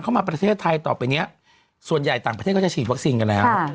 เอาไหม